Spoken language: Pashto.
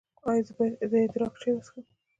ایا زه باید د ادرک چای وڅښم؟